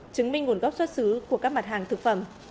chứng minh nguồn gốc xuất xứ của các mặt hàng thực phẩm